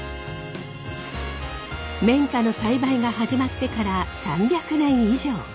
綿花の栽培が始まってから３００年以上。